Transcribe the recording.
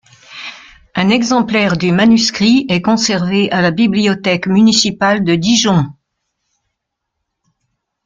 Un exemplaire du manuscrit est conservé à la Bibliothèque municipale de Dijon.